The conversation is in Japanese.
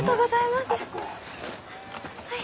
はい。